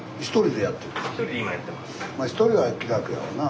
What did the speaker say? １人は気楽やわなあ。